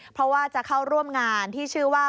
เพราะว่าจะเข้าร่วมงานที่ชื่อว่า